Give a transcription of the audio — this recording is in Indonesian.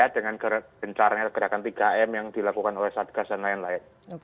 dengan gencarnya gerakan tiga m yang dilakukan oleh satgas dan lain lain